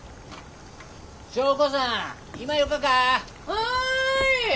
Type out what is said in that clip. はい！